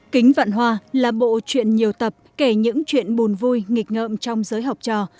kính vạn hoa là bộ chuyện nhiều tập kể những chuyện buồn vui nghịch ngợm trong giới học trò